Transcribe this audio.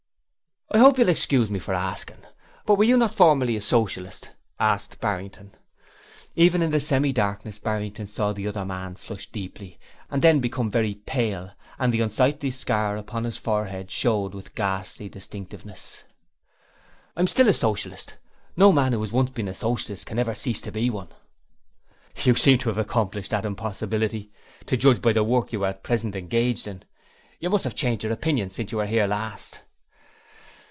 'I hope you'll excuse me for asking, but were you not formerly a Socialist?' said Barrington. Even in the semi darkness Barrington saw the other man flush deeply and then become very pale, and the unsightly scar upon his forehead showed with ghastly distinctiveness. 'I am still a Socialist: no man who has once been a Socialist can ever cease to be one.' 'You seem to have accomplished that impossibility, to judge by the work you are at present engaged in. You must have changed your opinions since you were here last.'